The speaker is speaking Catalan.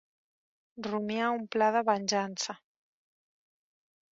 Rumiar un pla de venjança.